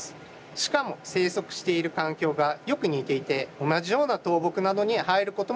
しかも生息している環境がよく似ていて同じような倒木などに生えることもあるんです。